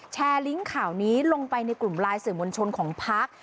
ลิงก์ข่าวนี้ลงไปในกลุ่มไลน์สื่อมวลชนของพัก